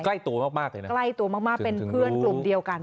ใกล้ตัวมากเลยนะใกล้ตัวมากเป็นเพื่อนกลุ่มเดียวกัน